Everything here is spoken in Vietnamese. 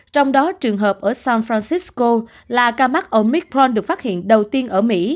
trong đó trường hợp ở san francisco là ca mắc omicron